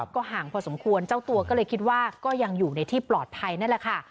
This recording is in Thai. ก็ห่างพอสมควรเจ้าตัวก็เลยคิดว่าก็ยังอยู่ในที่ปลอดภัยนั่นแหละค่ะ